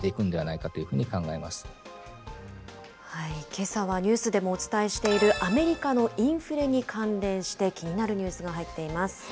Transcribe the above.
けさはニュースでもお伝えしているアメリカのインフレに関連して、気になるニュースが入っています。